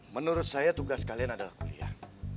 menurut saya tugas kalian adalah kuliah